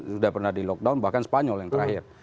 sudah pernah di lockdown bahkan spanyol yang terakhir